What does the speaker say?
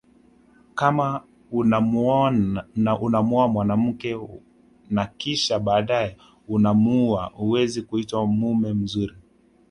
Kama unamuoa mwanamke na kisha baadae unamuua huwezi kuitwa mume mzuri